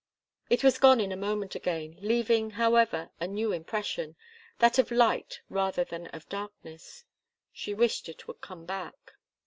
It was gone in a moment again, leaving, however, a new impression that of light, rather than of darkness. She wished it would come back.